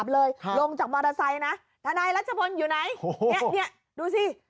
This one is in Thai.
เนี่ยดูสิ